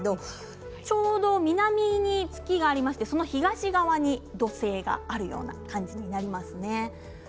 ちょうど南に月がありましてその東側に土星がある感じですね。